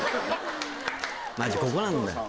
マジここなんだよ